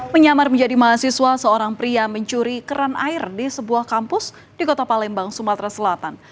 menyamar menjadi mahasiswa seorang pria mencuri keran air di sebuah kampus di kota palembang sumatera selatan